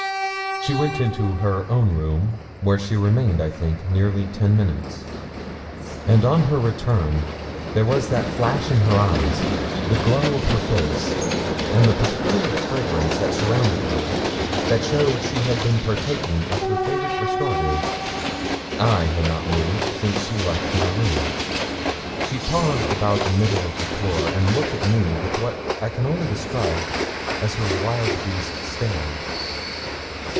She went into her own room, where she remained, I think, nearly ten minutes, and on her return there was that in the flash of her eyes, the glow of her face, and the peculiar fragrance that surrounded her, that showed she had been partaking of her favourite restorative. I had not moved since she left my room. She paused about the middle of the floor, and looked at me with what I can only describe as her wild beast stare.